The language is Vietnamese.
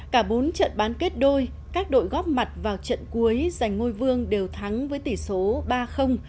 cả bốn trận bán kết đôi các đội góp mặt vào trận cuối giành ngôi vương đều thắng với tỷ số ba